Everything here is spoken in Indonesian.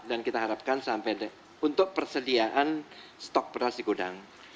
dan kita harapkan sampai untuk persediaan stok beras di kudang